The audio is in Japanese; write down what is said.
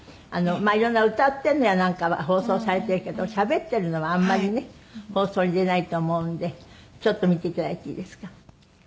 色んな歌ってるのやなんかは放送されてるけどしゃべってるのはあんまりね放送に出ないと思うんでちょっと見て頂いていいですか？